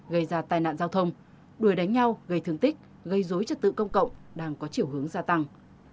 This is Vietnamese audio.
gây ra tai nạn giao thông đuổi đánh nhau gây thương tích gây dối trật tự công cộng đang có chiều hướng gia tăng